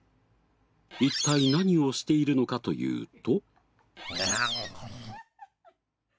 一体何をしているのかというと。